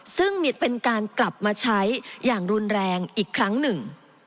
ซึ่งเป็นการกลับมาใช้อย่างรุนแรงอีกครั้งหนึ่ง